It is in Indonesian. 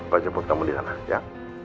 papa jemput kamu disana ya